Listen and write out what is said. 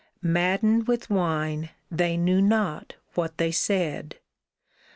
Maddened with wine, they knew not what they said.